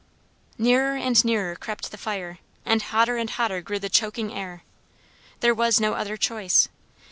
Nearer and nearer crept the fire, and hotter and hotter grew the choking air. There was no other choice.